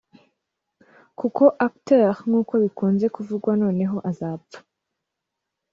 kuko acteur nk’uko bikunze kuvugwa noneho azapfa